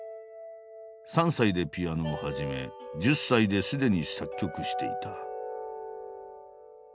３歳でピアノを始め１０歳で既に作曲していた。